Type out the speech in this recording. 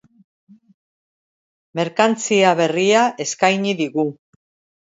Merkantzia berria eskaini digu.